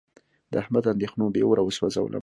د احمد اندېښنو بې اوره و سوزولم.